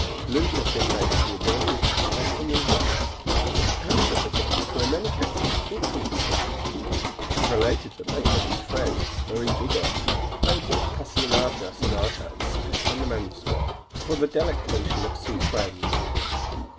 Allusion has been made to the ability of the professional musicians, but the amateur performers were in many cases equally proficient. It is related that Beethoven's friend, Marie Bigot, played the Appassionata Sonata at sight from the manuscript for the delectation of some friends.